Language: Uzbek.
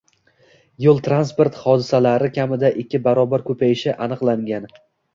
yo‘l-transport hodisalari kamida ikki barobarga ko‘payishi aniqlangan.